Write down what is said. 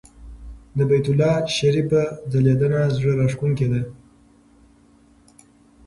د بیت الله شریفه ځلېدنه زړه راښکونکې ده.